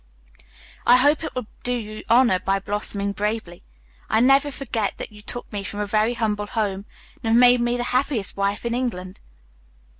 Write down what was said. "I hope it will do you honor by blossoming bravely. I never forget that you took me from a very humble home, and have made me the happiest wife in England."